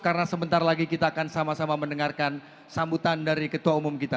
karena sebentar lagi kita akan sama sama mendengarkan sambutan dari ketua umum kita